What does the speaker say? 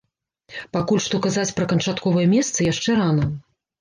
Пакуль што казаць пра канчатковае месца яшчэ рана.